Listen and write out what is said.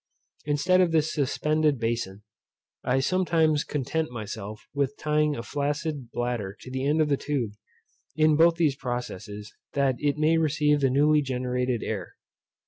Instead of this suspended bason, I sometimes content myself with tying a flaccid bladder to the end of the tube, in both these processes, that it may receive the newly generated air.